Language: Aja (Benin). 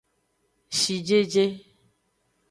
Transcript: Shijeje.